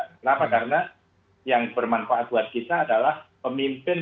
kenapa karena yang bermanfaat buat kita adalah pemimpin